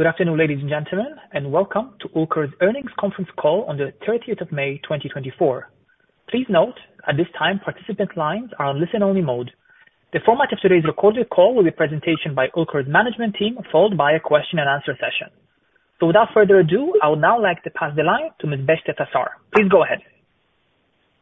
Good afternoon, ladies and gentlemen, and welcome to Ülker's earnings conference call on the 30th of May, 2024. Please note, at this time, participant lines are on listen-only mode. The format of today's recorded call will be a presentation by Ülker's management team, followed by a question and answer session. Without further ado, I would now like to pass the line to Ms. Beste Taşar. Please go ahead.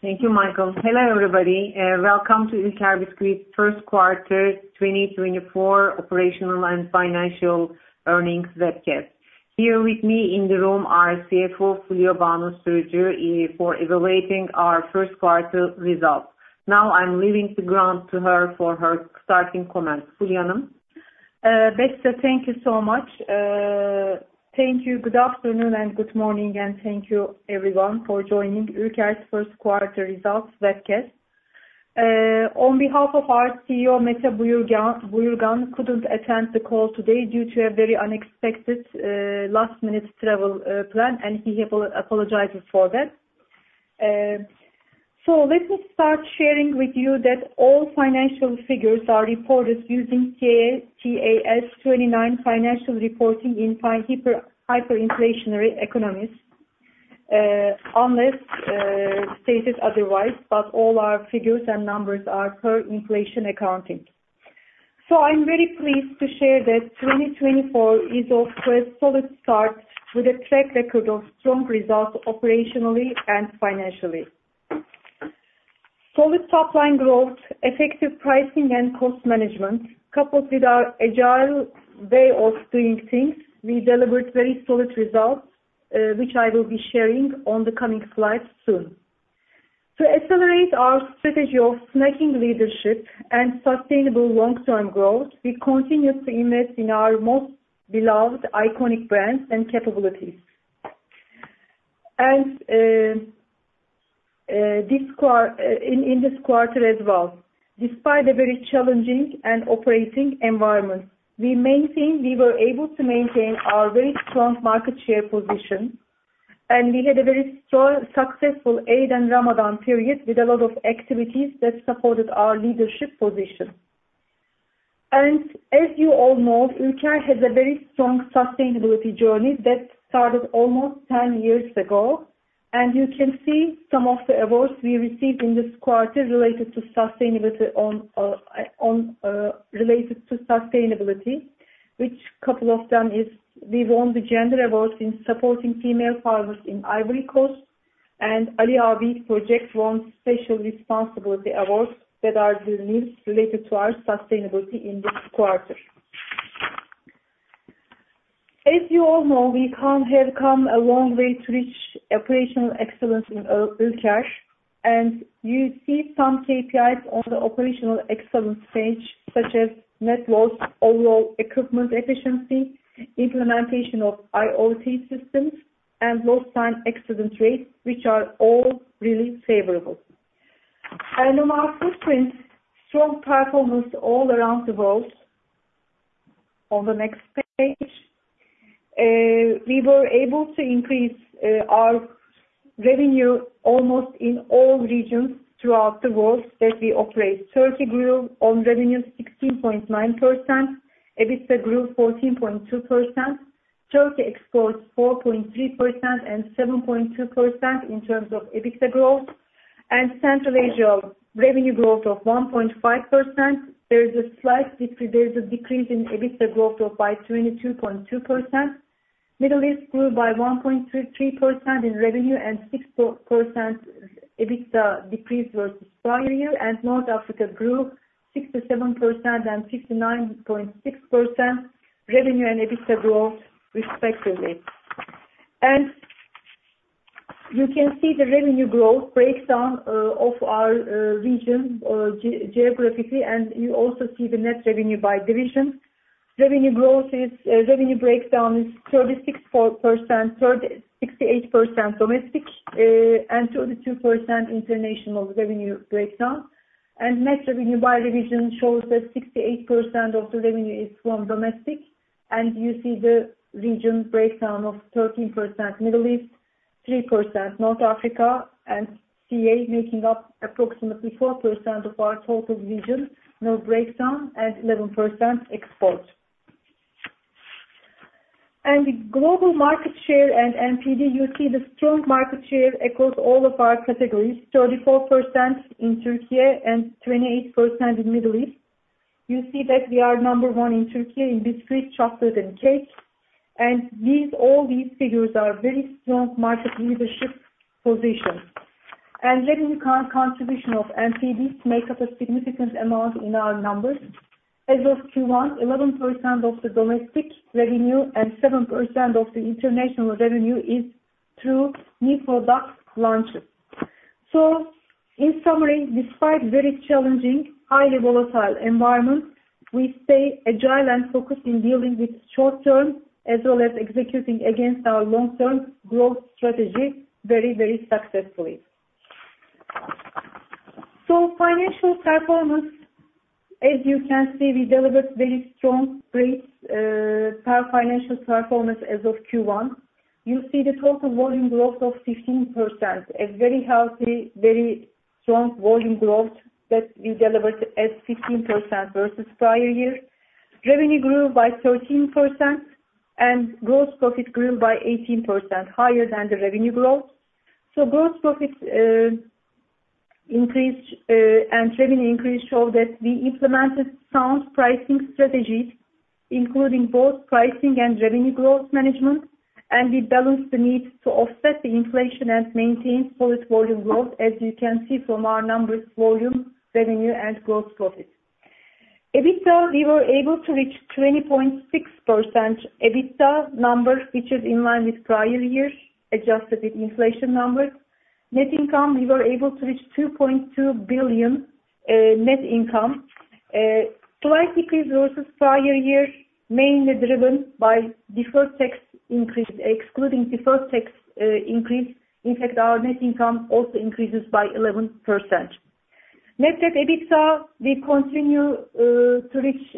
Thank you, Michael. Hello, everybody, and welcome to Ülker Bisküvi first quarter 2024 operational and financial earnings webcast. Here with me in the room are CFO Fulya Banu Sürücü for evaluating our first quarter results. I'm leaving the ground to her for her starting comments. Fulya Hanım. Beste, thank you so much. Thank you. Good afternoon and good morning, and thank you everyone for joining Ülker's first quarter results webcast. On behalf of our CEO, Mete Buyurgan, couldn't attend the call today due to a very unexpected last minute travel plan, and he apologizes for that. Let me start sharing with you that all financial figures are reported using TAS 29 financial reporting in hyperinflationary economies, unless stated otherwise, but all our figures and numbers are per inflation accounting. I'm very pleased to share that 2024 is off to a solid start with a track record of strong results operationally and financially. Solid top-line growth, effective pricing, and cost management, coupled with our agile way of doing things, we delivered very solid results, which I will be sharing on the coming slides soon. To accelerate our strategy of snacking leadership and sustainable long-term growth, we continue to invest in our most beloved iconic brands and capabilities. In this quarter as well, despite a very challenging and operating environment, we were able to maintain our very strong market share position, and we had a very successful Eid and Ramadan period with a lot of activities that supported our leadership position. As you all know, Ülker has a very strong sustainability journey that started almost 10 years ago, and you can see some of the awards we received in this quarter related to sustainability, which couple of them is we won the gender awards in supporting female farmers in Ivory Coast, and Ali Abi Project won special responsibility awards that are the news related to our sustainability in this quarter. As you all know, we have come a long way to reach operational excellence in Ülker, you see some KPIs on the operational excellence page, such as net loss, overall equipment efficiency, implementation of IoT systems, and lost time accident rates, which are all really favorable. On our footprint, strong performance all around the world. On the next page. We were able to increase our revenue almost in all regions throughout the world that we operate. Turkey grew on revenue 16.9%, EBITDA grew 14.2%, Turkey exports 4.3% and 7.2% in terms of EBITDA growth. Central Asia revenue growth of 1.5%. There is a decrease in EBITDA growth of by 22.2%. Middle East grew by 1.33% in revenue and 6% EBITDA decrease year-on-year. North Africa grew 67% and 69.6% revenue and EBITDA growth respectively. You can see the revenue growth breakdown of our region geographically, you also see the net revenue by division. Revenue breakdown is 36.4%, 30, 68% domestic, and 32% international revenue breakdown. Net revenue by division shows that 68% of the revenue is from domestic, you see the region breakdown of 13% Middle East, 3% North Africa, and CA making up approximately 4% of our total region, no breakdown, and 11% export. Global market share and NPD, you see the strong market share across all of our categories, 34% in Turkey and 28% in Middle East. You see that we are number one in Turkey in biscuit, chocolate, and cake. All these figures are very strong market leadership positions. Revenue contribution of NPD make up a significant amount in our numbers. As of Q1, 11% of the domestic revenue and 7% of the international revenue is through new product launches. In summary, despite very challenging, highly volatile environments, we stay agile and focused in dealing with short term as well as executing against our long-term growth strategy very successfully. Financial performance, as you can see, we delivered very strong rates, our financial performance as of Q1. You see the total volume growth of 15%, a very healthy, very strong volume growth that we delivered at 15% versus the prior year. Revenue grew by 13% and gross profit grew by 18%, higher than the revenue growth. Gross profit increase and revenue increase show that we implemented sound pricing strategies, including both pricing and revenue growth management, we balanced the need to offset the inflation and maintain solid volume growth, as you can see from our numbers, volume, revenue, and gross profit. EBITDA, we were able to reach 20.6% EBITDA numbers, which is in line with the prior year, adjusted with inflation numbers. Net income, we were able to reach 2.2 billion net income. A slight decrease versus the prior year, mainly driven by deferred tax increase. Excluding deferred tax increase, in fact, our net income also increases by 11%. Net Debt EBITDA, we continue to reach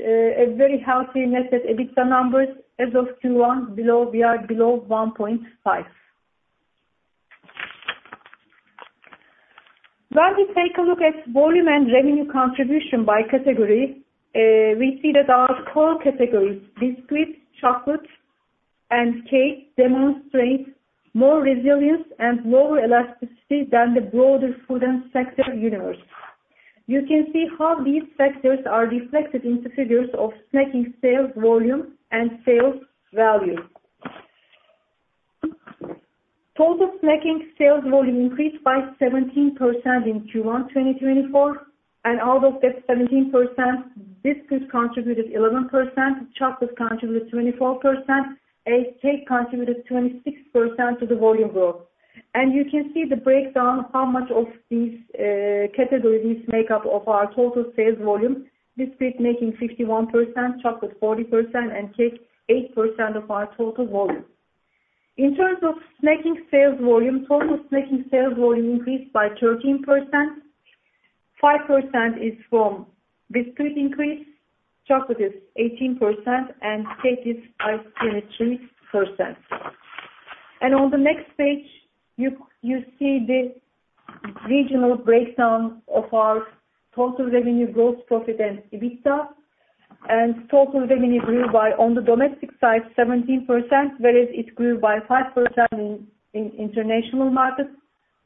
very healthy Net Debt EBITDA numbers. As of Q1, we are below 1.5. When we take a look at volume and revenue contribution by category, we see that our core categories, biscuits, chocolate, and cakes, demonstrate more resilience and lower elasticity than the broader food and sector universe. You can see how these factors are reflected in the figures of snacking sales volume and sales value. Total snacking sales volume increased by 17% in Q1 2024, and out of that 17%, biscuits contributed 11%, chocolate contributed 24%, and cake contributed 26% to the volume growth. You can see the breakdown of how much of these categories make up our total sales volume. Biscuits making 51%, chocolate 40%, and cakes 8% of our total volume. In terms of snacking sales volume, total snacking sales volume increased by 13%. 5% is from biscuit increase, chocolate is 18%, and cake is 73%. On the next page, you see the regional breakdown of our total revenue growth, profit, and EBITDA. Total revenue grew by, on the domestic side, 17%, whereas it grew by 5% in international markets.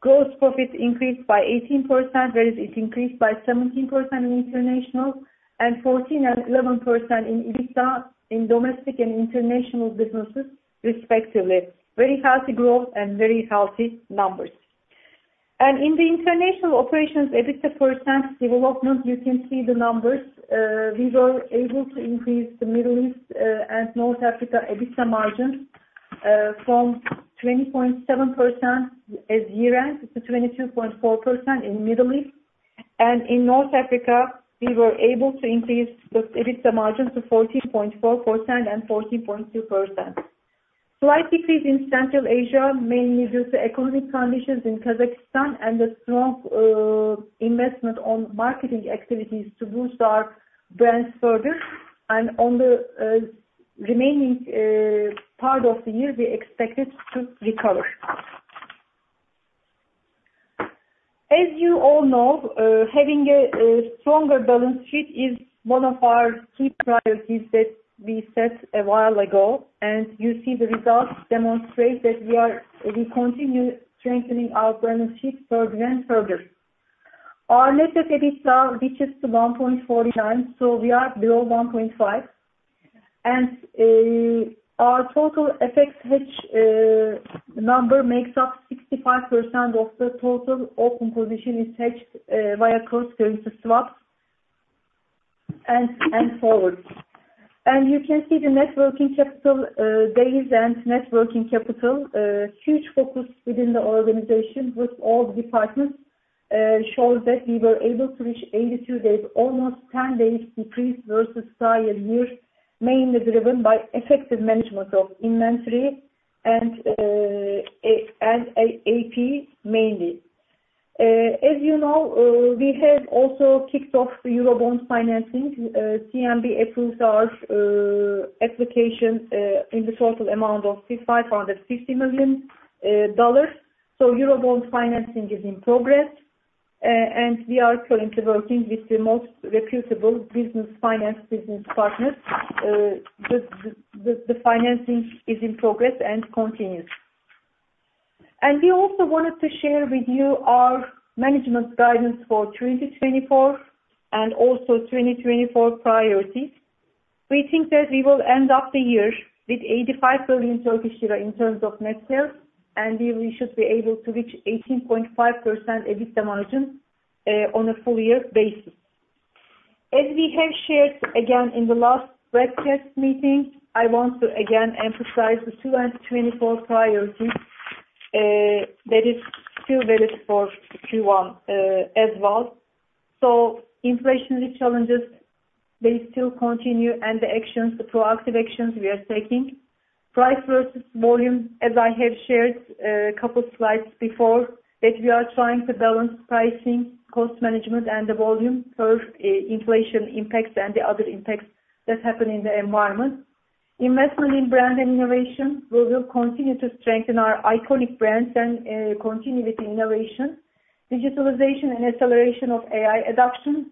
Gross profit increased by 18%, whereas it increased by 17% in international, and 14% and 11% in EBITDA in domestic and international businesses, respectively. Very healthy growth and very healthy numbers. In the international operations EBITDA percentage development, you can see the numbers. We were able to increase the Middle East and North Africa EBITDA margins from 20.7% at year-end to 22.4% in the Middle East. In North Africa, we were able to increase the EBITDA margin to 14.4% and 14.2%. Slight decrease in Central Asia, mainly due to economic conditions in Kazakhstan and the strong investment in marketing activities to boost our brands further. On the remaining part of the year, we expect it to recover. As you all know, having a stronger balance sheet is one of our key priorities that we set a while ago, and you see the results demonstrate that we continue strengthening our balance sheet further and further. Our Net Debt EBITDA reaches to 1.4 times, so we are below 1.5. Our total FX hedge number makes up 65% of the total open position is hedged via cross-currency swaps and forwards. You can see the net working capital days and net working capital. Huge focus within the organization with all departments shows that we were able to reach 82 days, almost a 10-day decrease versus the prior year, mainly driven by effective management of inventory and AP, mainly. As you know, we have also kicked off the Eurobond financing. CMB approved our application in the total amount of $550 million. Eurobond financing is in progress, and we are currently working with the most reputable business finance business partners. The financing is in progress and continues. We also wanted to share with you our management guidance for 2024 and also 2024 priorities. We think that we will end the year with 85 billion Turkish lira in terms of net sales, and we should be able to reach 18.5% EBITDA margin on a full-year basis. As we have shared again in the last broadcast meeting, I want to again emphasize the 2024 priorities. That is still valid for Q1 as well. Inflaionary challenges, they still continue, and the proactive actions we are taking. Price versus volume, as I have shared a couple slides before, that we are trying to balance pricing, cost management, and the volume per inflation impacts and the other impacts. That happen in the environment. Investment in brand and innovation. We will continue to strengthen our iconic brands and continue with innovation, digitalization and acceleration of AI adoption.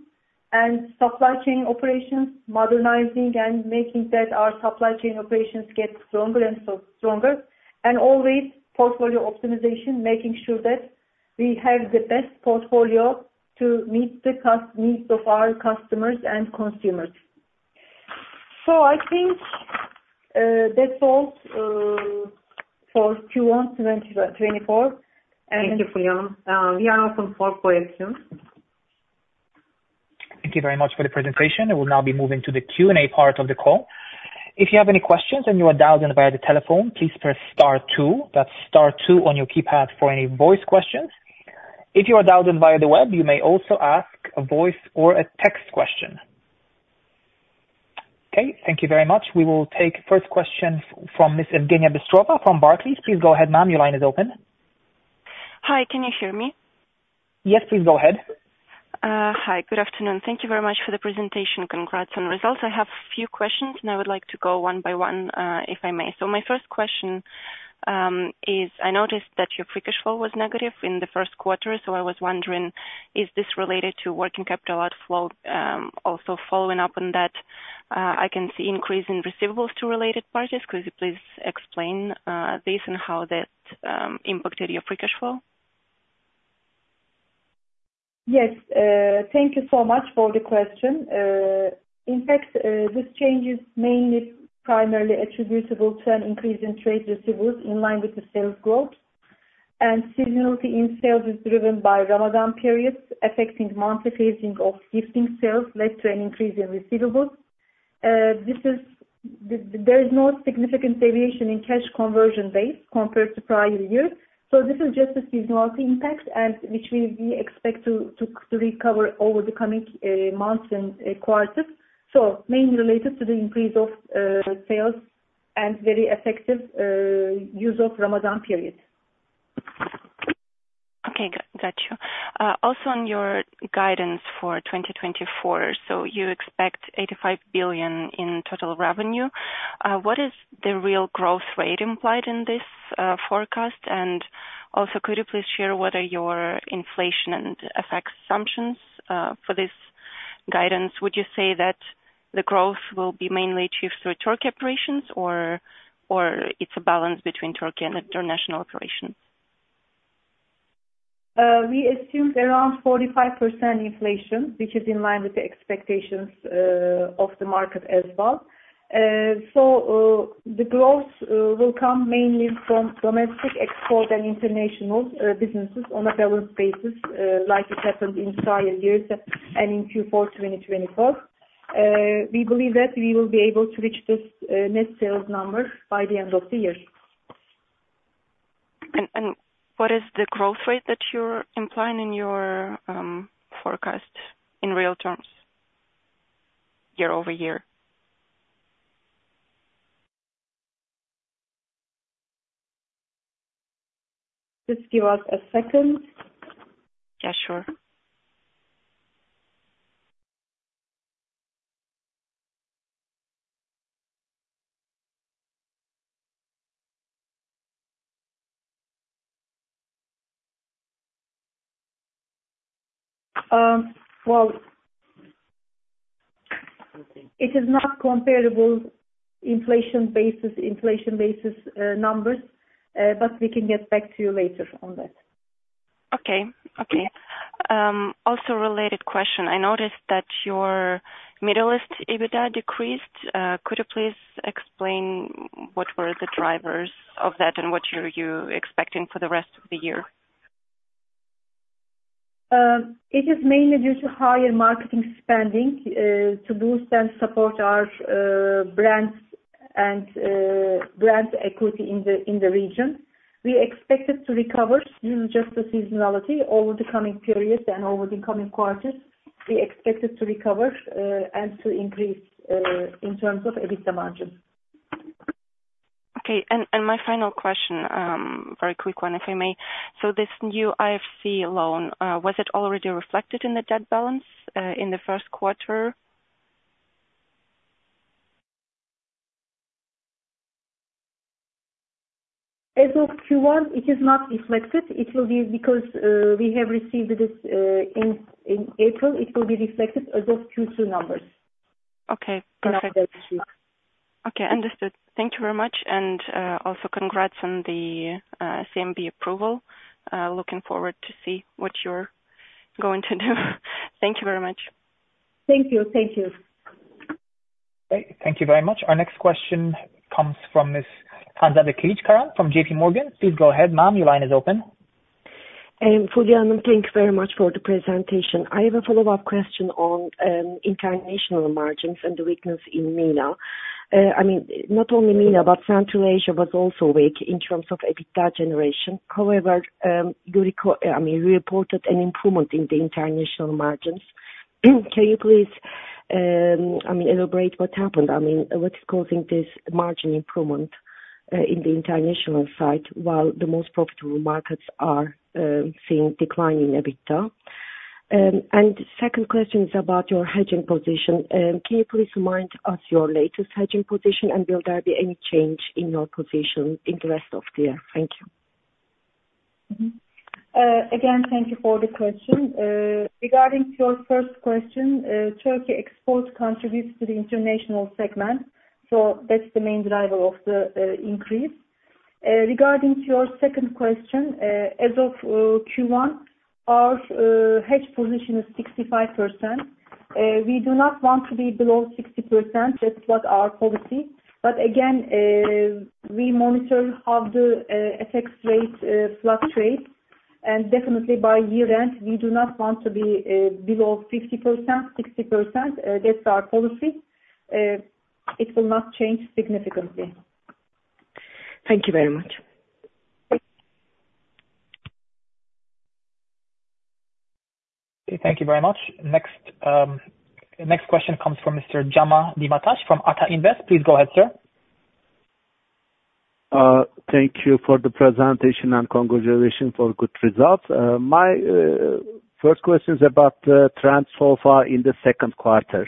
Supply chain operations, modernizing and making that our supply chain operations get stronger and stronger. Always portfolio optimization, making sure that we have the best portfolio to meet the needs of our customers and consumers. I think that's all for Q1 2024. Thank you, Fulya. We are open for questions. Thank you very much for the presentation. We will now be moving to the Q&A part of the call. If you have any questions and you are dialed in via the telephone, please press star two. That's star two on your keypad for any voice questions. If you are dialed in via the web, you may also ask a voice or a text question. Thank you very much. We will take first question from Miss Evgenia Bistrova from Barclays. Please go ahead, ma'am, your line is open. Hi, can you hear me? Yes, please go ahead. Hi, good afternoon. Thank you very much for the presentation. Congrats on results. I have few questions and I would like to go one by one, if I may. My first question is, I noticed that your free cash flow was negative in the first quarter, so I was wondering, is this related to working capital outflow? Also following up on that, I can see increase in receivables to related parties. Could you please explain this and how that impacted your free cash flow? Yes. Thank you so much for the question. In fact, this change is mainly primarily attributable to an increase in trade receivables in line with the sales growth. Seasonality in sales is driven by Ramadan periods, affecting month of casing of gifting sales led to an increase in receivables. There is no significant variation in cash conversion days compared to prior years. This is just a seasonality impact, and which we expect to recover over the coming months and quarters. Mainly related to the increase of sales and very effective use of Ramadan period. Okay, got you. Also on your guidance for 2024, you expect 85 billion in total revenue. What is the real growth rate implied in this forecast? Also could you please share what are your inflation and FX assumptions for this guidance? Would you say that the growth will be mainly achieved through Turkey operations or it's a balance between Turkey and international operations? We assumed around 45% inflation, which is in line with the expectations of the market as well. The growth will come mainly from domestic export and international businesses on a valid basis, like it happened in prior years and in Q4 2024. We believe that we will be able to reach this net sales number by the end of the year. What is the growth rate that you're implying in your forecast in real terms year-over-year? Just give us a second. Yeah, sure. Well, it is not comparable inflation basis numbers. We can get back to you later on that. Okay. Also related question. I noticed that your Middle East EBITDA decreased. Could you please explain what were the drivers of that and what are you expecting for the rest of the year? It is mainly due to higher marketing spending to boost and support our brands and brand equity in the region. We expect it to recover due to just the seasonality over the coming periods and over the coming quarters. We expect it to recover and to increase in terms of EBITDA margins. Okay. My final question, very quick one, if I may. This new IFC loan, was it already reflected in the debt balance in the first quarter? As of Q1, it is not reflected. It will be because we have received this in April. It will be reflected as of Q2 numbers. Okay, perfect. In that debt sheet. Okay, understood. Thank you very much and also congrats on the CMB approval. Looking forward to see what you're going to do. Thank you very much. Thank you. Great. Thank you very much. Our next question comes from Miss Hanzade Kılıçkıran from J.P. Morgan. Please go ahead, ma'am, your line is open. Fulya, thanks very much for the presentation. I have a follow-up question on international margins and the weakness in MENA. Not only MENA, but Central Asia was also weak in terms of EBITDA generation. However, you reported an improvement in the international margins. Can you please elaborate what happened? What is causing this margin improvement in the international side while the most profitable markets are seeing decline in EBITDA? Second question is about your hedging position. Can you please remind us your latest hedging position, and will there be any change in your position in the rest of the year? Thank you. Mm-hmm. Again, thank you for the question. Regarding to your first question, Turkey export contributes to the international segment. That's the main driver of the increase. Regarding to your second question, as of Q1, our hedge position is 65%. We do not want to be below 60%. That's what our policy. Again, we monitor how the effect rate fluctuates, and definitely by year end, we do not want to be below 50%, 60%. That's our policy. It will not change significantly. Thank you very much. Thank you. Thank you very much. Next question comes from Mr. Cemal Demirtaş from Ata Invest. Please go ahead, sir. Thank you for the presentation. Congratulations for good results. My first question is about the trends so far in the second quarter.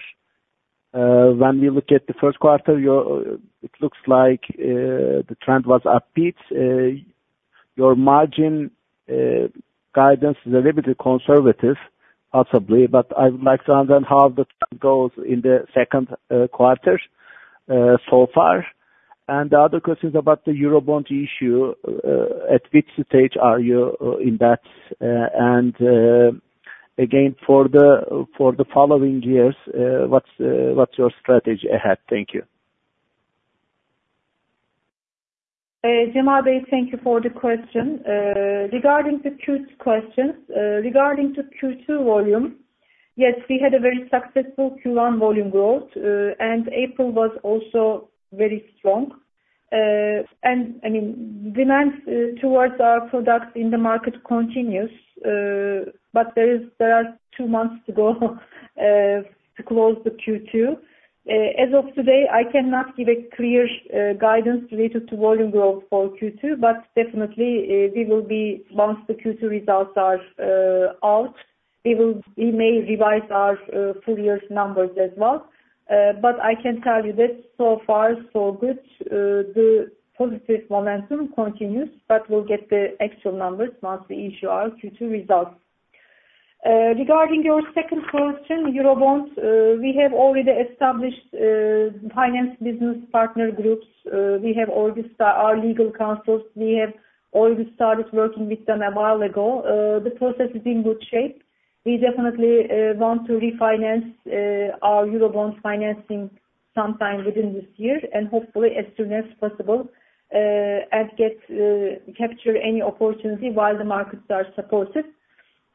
When we look at the first quarter, it looks like, the trend was upbeat. Your margin guidance is a little bit conservative, possibly, but I would like to understand how that goes in the second quarter so far. The other question is about the Eurobond issue. At which stage are you in that? Again, for the following years, what's your strategy ahead? Thank you. Cemal Demirtaş, thank you for the question. Regarding the two questions. Regarding Q2 volume, yes, we had a very successful Q1 volume growth, and April was also very strong. Demand towards our product in the market continues. There are two months to go to close the Q2. As of today, I cannot give a clear guidance related to volume growth for Q2, but definitely, once the Q2 results are out, we may revise our full year's numbers as well. I can tell you this, so far so good. The positive momentum continues, but we'll get the actual numbers once we issue our Q2 results. Regarding your second question, Eurobonds, we have already established finance business partner groups. We have our legal counsels. We have already started working with them a while ago. The process is in good shape. We definitely want to refinance our Eurobonds financing sometime within this year, and hopefully, as soon as possible, and capture any opportunity while the markets are supportive.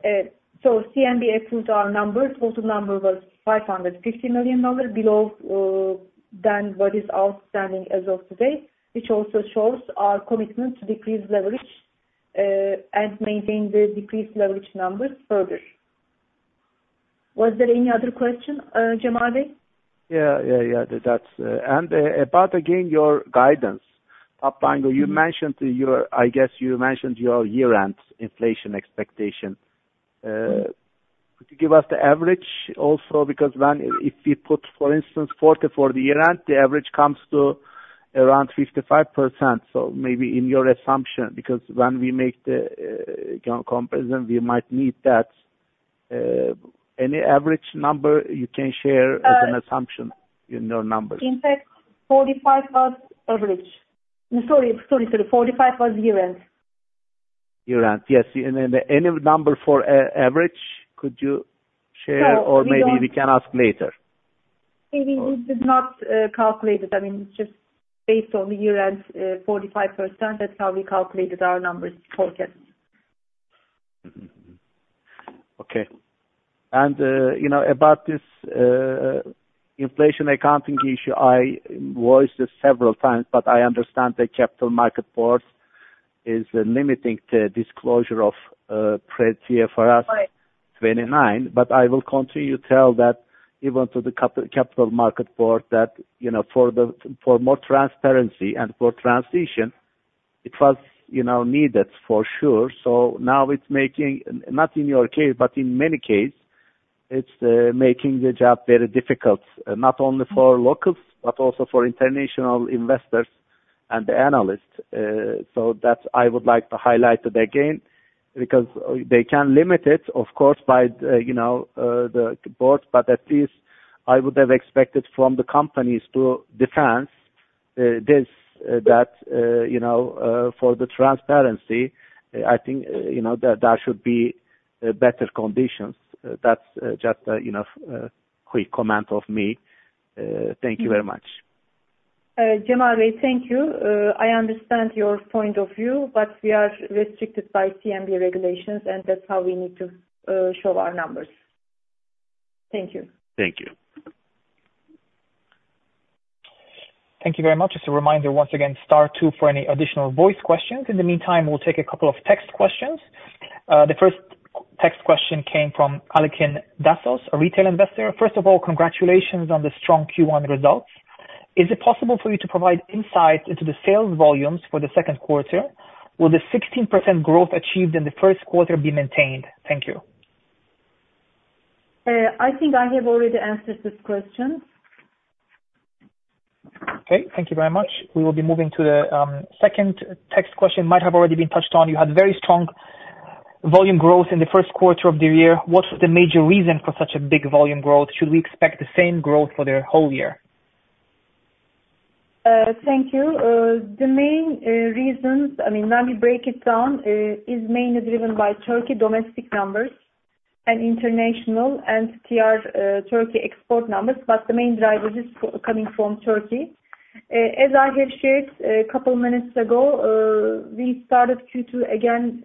CMB approved our numbers. Total number was $550 million, below than what is outstanding as of today, which also shows our commitment to decrease leverage, and maintain the decreased leverage numbers further. Was there any other question, Cemal Demirtaş? About, again, your guidance, Topbanu, I guess you mentioned your year-end inflation expectation. Could you give us the average also? If we put, for instance, 40 for the year end, the average comes to around 55%. Maybe in your assumption, because when we make the comparison, we might need that. Any average number you can share as an assumption in your numbers? In fact, 45 was average. Sorry, 45 was year end. Year end. Yes. Any number for average could you share? Maybe we can ask later. We did not calculate it. Just based on the year end, 45%, that's how we calculated our numbers forecast. Mm-hmm. Okay. About this inflation accounting issue, I voiced this several times, but I understand the Capital Markets Board is limiting the disclosure of IFRS- Right 29. I will continue to tell that even to the Capital Markets Board that for more transparency and for transition, it was needed for sure. Now it's making, not in your case, but in many cases, it's making the job very difficult, not only for locals, but also for international investors and analysts. That, I would like to highlight it again, because they can limit it, of course, by the board, but at least I would have expected from the companies to defend this, that for the transparency, I think there should be better conditions. That's just a quick comment of me. Thank you very much. Cemal Demirtaş, thank you. I understand your point of view, We are restricted by CMB regulations, That's how we need to show our numbers. Thank you. Thank you. Thank you very much. Just a reminder, once again, star two for any additional voice questions. In the meantime, we'll take a couple of text questions. The first text question came from Alekin Dasos, a retail investor. First of all, congratulations on the strong Q1 results. Is it possible for you to provide insight into the sales volumes for the second quarter? Will the 16% growth achieved in the first quarter be maintained? Thank you. I think I have already answered this question. Okay, thank you very much. We will be moving to the second text question. Might have already been touched on. You had very strong volume growth in the first quarter of the year. What's the major reason for such a big volume growth? Should we expect the same growth for the whole year? Thank you. The main reasons, let me break it down, is mainly driven by Turkey domestic numbers and international and TR Turkey export numbers. The main driver is coming from Turkey. As I have shared a couple minutes ago, we started Q2 again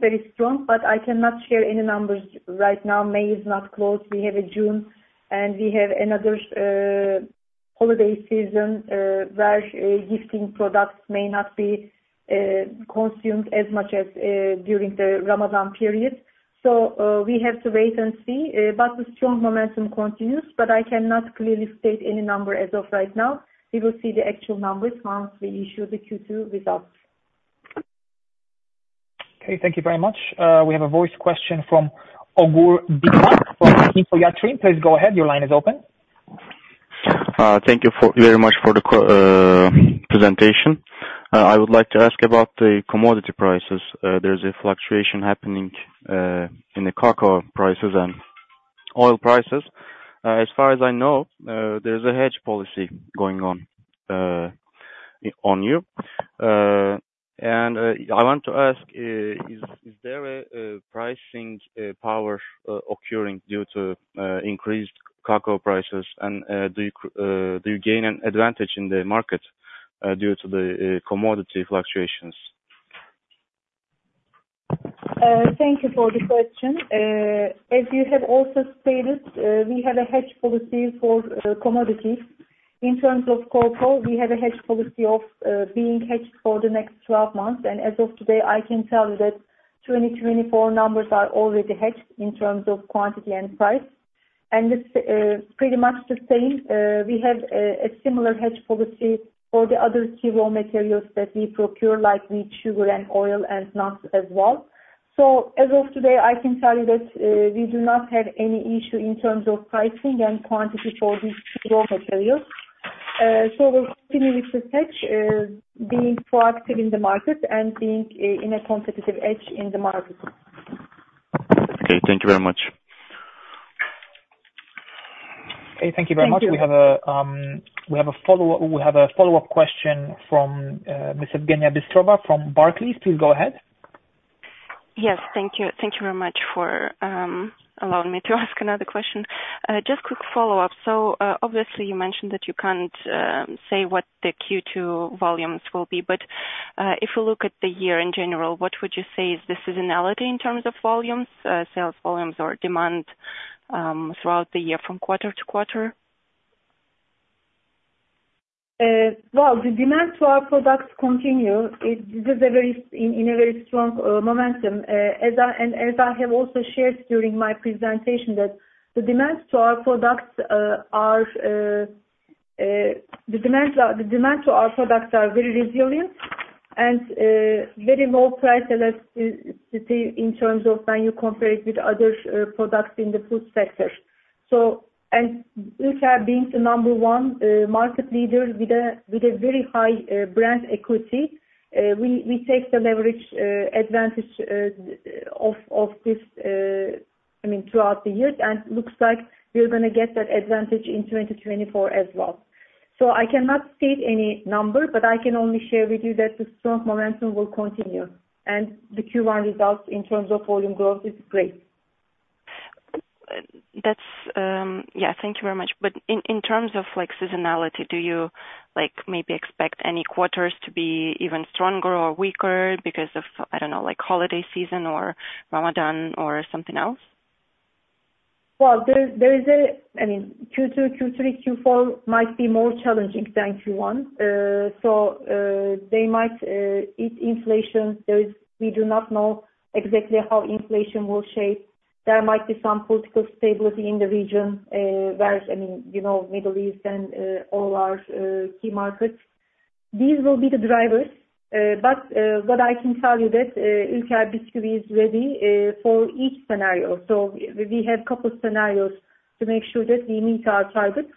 very strong. I cannot share any numbers right now. May is not closed. We have a June, and we have another holiday season, where gifting products may not be consumed as much as during the Ramadan period. We have to wait and see. The strong momentum continues, but I cannot clearly state any number as of right now. We will see the actual numbers once we issue the Q2 results. Okay, thank you very much. We have a voice question from Ogur Bagci from Finans Güneşi. Please go ahead. Your line is open. Thank you very much for the presentation. I would like to ask about the commodity prices. There's a fluctuation happening in the cocoa prices and oil prices. As far as I know, there's a hedge policy going on you. I want to ask, is there a pricing power occurring due to increased cocoa prices? Do you gain an advantage in the market due to the commodity fluctuations? Thank you for the question. As you have also stated, we have a hedge policy for commodities. In terms of cocoa, we have a hedge policy of being hedged for the next 12 months. As of today, I can tell you that 2024 numbers are already hedged in terms of quantity and price. It's pretty much the same. We have a similar hedge policy for the other key raw materials that we procure, like wheat, sugar, and oil, and nuts as well. As of today, I can tell you that we do not have any issue in terms of pricing and quantity for these raw materials. We're continuing with this hedge, being proactive in the market and being in a competitive edge in the market. Okay. Thank you very much. Okay. Thank you very much. Thank you. We have a follow-up question from Miss Evgenia Bistrova from Barclays. Please go ahead. Yes. Thank you very much for allowing me to ask another question. Just quick follow-up. Obviously you mentioned that you can't say what the Q2 volumes will be, but if you look at the year in general, what would you say is the seasonality in terms of volumes, sales volumes, or demand, throughout the year from quarter to quarter? Well, the demand for our products continue in a very strong momentum. As I have also shared during my presentation, that the demand to our products are very resilient and very low price elasticity in terms of when you compare it with other products in the food sector. Ülker being the number one market leader with a very high brand equity, we take the leverage advantage of this throughout the years, and looks like we are going to get that advantage in 2024 as well. I cannot state any number, but I can only share with you that the strong momentum will continue, and the Q1 results in terms of volume growth is great. Yeah. Thank you very much. In terms of seasonality, do you maybe expect any quarters to be even stronger or weaker because of, I don't know, holiday season or Ramadan or something else? Q2, Q3, Q4 might be more challenging than Q1. They might, if inflation, we do not know exactly how inflation will shape. There might be some political stability in the region. Whereas, Middle East and all our key markets. These will be the drivers. What I can tell you that Ülker Bisküvi is ready for each scenario. We have couple scenarios to make sure that we meet our targets.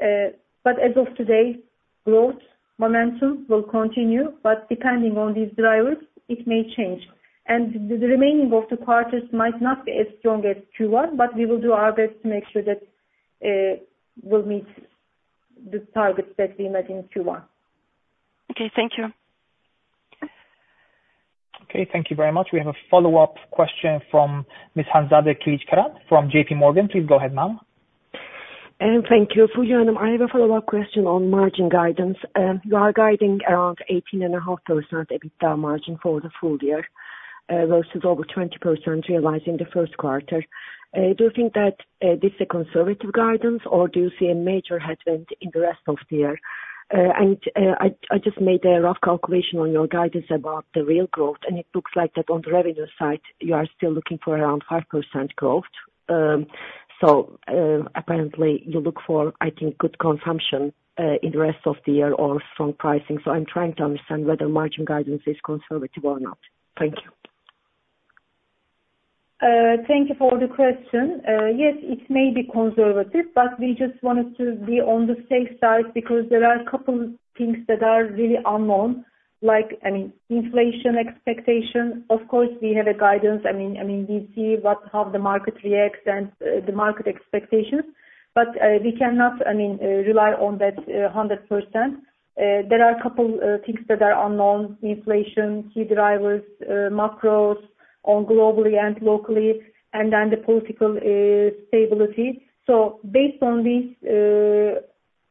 As of today, growth momentum will continue, but depending on these drivers, it may change. The remaining of the quarters might not be as strong as Q1, but we will do our best to make sure that we'll meet the targets that we met in Q1. Thank you. Thank you very much. We have a follow-up question from Miss Hanzade Kılıçkıran from JP Morgan. Please go ahead, ma'am. Thank you. Fulya Hanım, I have a follow-up question on margin guidance. You are guiding around 18.5% EBITDA margin for the full year, versus over 20% realized in the first quarter. Do you think that this is a conservative guidance, or do you see a major headwind in the rest of the year? I just made a rough calculation on your guidance about the real growth, and it looks like that on the revenue side, you are still looking for around 5% growth. Apparently you look for, I think, good consumption in the rest of the year or strong pricing. I'm trying to understand whether margin guidance is conservative or not. Thank you. Thank you for the question. It may be conservative, but we just wanted to be on the safe side because there are a couple things that are really unknown, like, inflation expectation. Of course, we have a guidance. We see how the market reacts and the market expectations. We cannot rely on that 100%. There are a couple things that are unknown: inflation, key drivers, macros on globally and locally, and then the political stability. Based on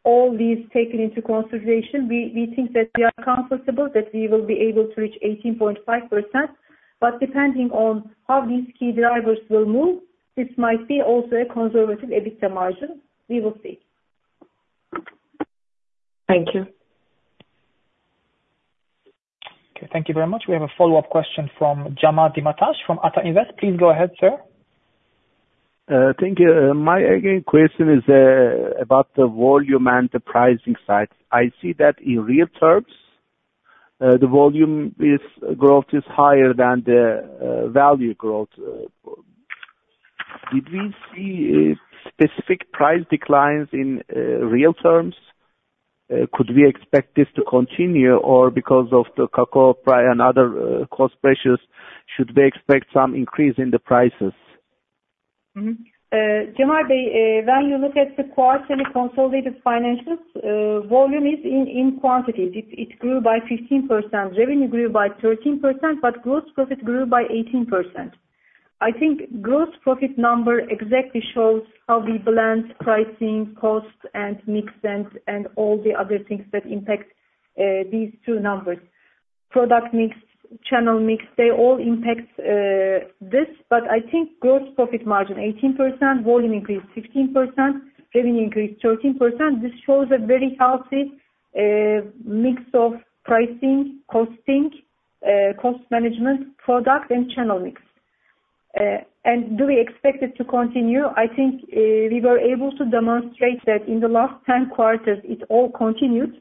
all these taken into consideration, we think that we are comfortable that we will be able to reach 18.5%. Depending on how these key drivers will move, this might be also a conservative EBITDA margin. We will see. Thank you. Thank you very much. We have a follow-up question from Cemal Demirtaş from Ata Invest. Please go ahead, sir. Thank you. My question is about the volume and the pricing side. I see that in real terms, the volume growth is higher than the value growth. Did we see specific price declines in real terms? Could we expect this to continue, or because of the cocoa price and other cost pressures, should we expect some increase in the prices? Cemal, when you look at the quarterly consolidated financials, volume is in quantity. It grew by 15%. Revenue grew by 13%. Gross profit grew by 18%. I think gross profit number exactly shows how we blend pricing, cost, and mix, and all the other things that impact these two numbers. Product mix, channel mix, they all impact this. I think gross profit margin 18%, volume increase 15%, revenue increase 13%. This shows a very healthy mix of pricing, costing, cost management, product, and channel mix. Do we expect it to continue? I think we were able to demonstrate that in the last 10 quarters, it all continued.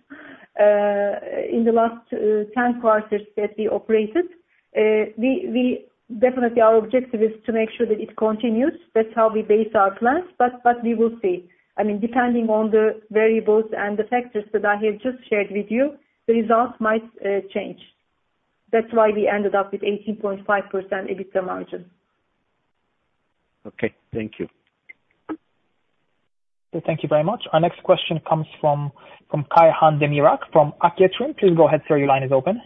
In the last 10 quarters that we operated. Definitely our objective is to make sure that it continues. That's how we base our plans. We will see. Depending on the variables and the factors that I have just shared with you, the results might change. That's why we ended up with 18.5% EBITDA margin. Okay. Thank you. Thank you very much. Our next question comes from Kayahan Demirak from Ak Yatırım. Please go ahead, sir. Your line is open.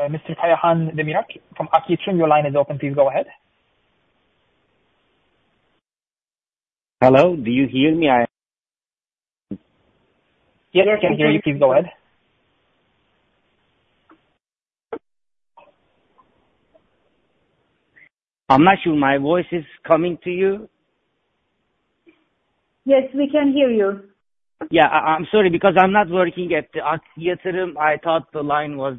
Mr. Kayahan Demirak from Ak Yatırım, your line is open. Please go ahead. Hello, do you hear me? Yes, we can hear you. Please go ahead. I'm not sure my voice is coming to you. Yes, we can hear you. Yeah, I'm sorry because I'm not working at the Ak Yatırım. I thought the line was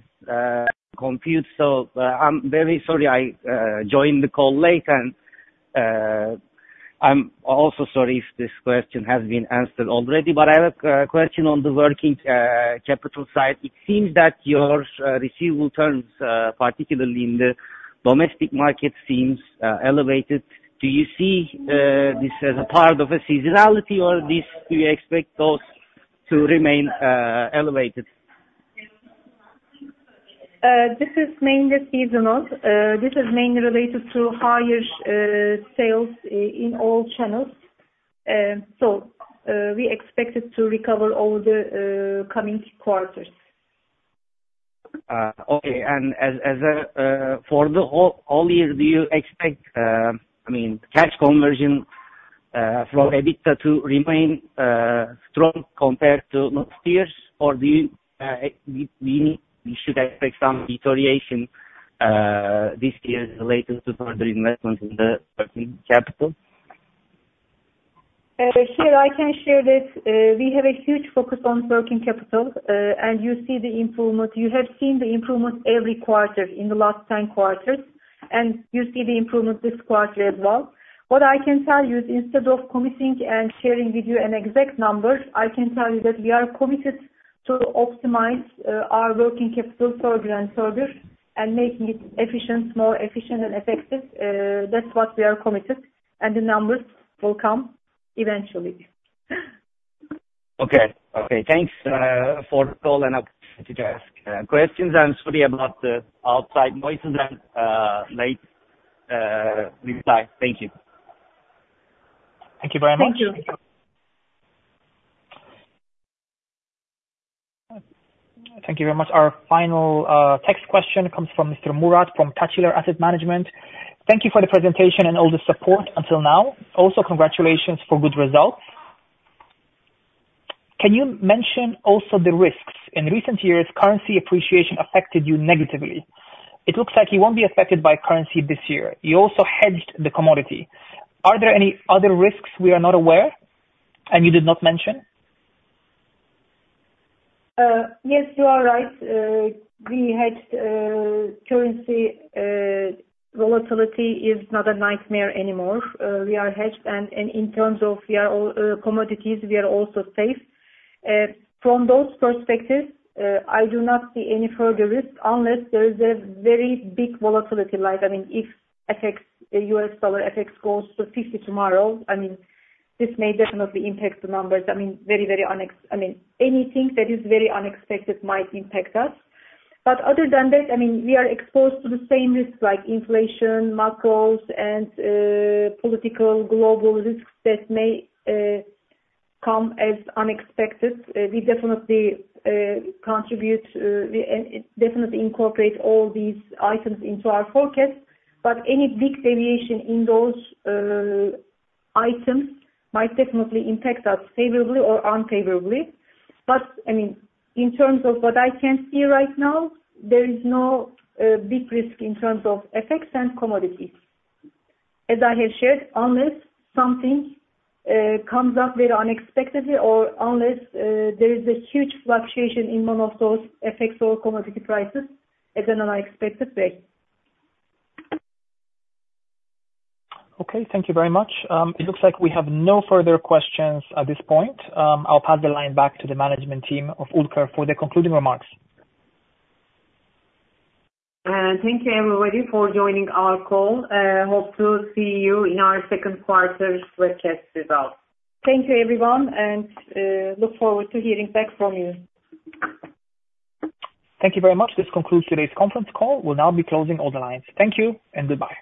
confused, so I'm very sorry I joined the call late. I'm also sorry if this question has been answered already, but I have a question on the working capital side. It seems that your receivable terms, particularly in the domestic market, seems elevated. Do you see this as a part of a seasonality, or do you expect those to remain elevated? This is mainly seasonal. This is mainly related to higher sales in all channels. We expect it to recover over the coming quarters. Okay. For the whole year, do you expect cash conversion from EBITDA to remain strong compared to last year? We should expect some deterioration this year related to further investment in the working capital? Here I can share that we have a huge focus on working capital, you see the improvement. You have seen the improvement every quarter in the last 10 quarters, you see the improvement this quarter as well. What I can tell you is instead of committing and sharing with you an exact number, I can tell you that we are committed to optimize our working capital further and further, and making it more efficient and effective. That's what we are committed. The numbers will come eventually. Okay. Thanks for the call and the opportunity to ask questions. I'm sorry about the outside noises and late reply. Thank you. Thank you very much. Thank you. Thank you very much. Our final text question comes from Mr. Murat from Tacirler Asset Management. Thank you for the presentation and all the support until now. Congratulations for good results. Can you mention also the risks? In recent years, currency appreciation affected you negatively. It looks like you won't be affected by currency this year. You also hedged the commodity. Are there any other risks we are not aware of, and you did not mention? Yes, you are right. We hedged currency. Volatility is not a nightmare anymore. We are hedged, and in terms of our commodities, we are also safe. From those perspectives, I do not see any further risk unless there is a very big volatility. If US dollar FX goes to 50 tomorrow, this may definitely impact the numbers. Anything that is very unexpected might impact us. Other than that, we are exposed to the same risks like inflation, macros, and political global risks that may come as unexpected. We definitely incorporate all these items into our forecast, but any big deviation in those items might definitely impact us favorably or unfavorably. In terms of what I can see right now, there is no big risk in terms of FX and commodities. As I have shared, unless something comes up very unexpectedly or unless there is a huge fluctuation in one of those FX or commodity prices at an unexpected rate. Okay, thank you very much. It looks like we have no further questions at this point. I'll pass the line back to the management team of Ülker for the concluding remarks. Thank you, everybody, for joining our call. Hope to see you in our second quarter's webcast results. Thank you, everyone. Look forward to hearing back from you. Thank you very much. This concludes today's conference call. We'll now be closing all the lines. Thank you, and goodbye.